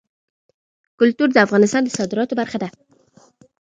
کلتور د افغانستان د صادراتو برخه ده.